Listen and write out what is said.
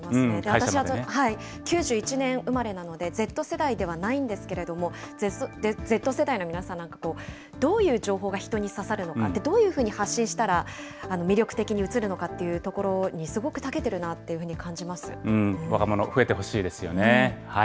私は９１年生まれなので、Ｚ世代ではないんですけれども、Ｚ世代の皆さん、なんかこう、どういう情報が人に刺さるのか、どういうふうに発信したら、魅力的に映るのかっていうところに、すごくたけてるなと若者、増えてほしいですよね。